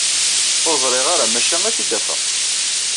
Ur ẓriɣ ara maca ad t-id-afeɣ.